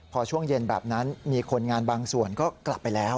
พอช่วงเย็นแบบนั้นมีคนงานบางส่วนก็กลับไปแล้ว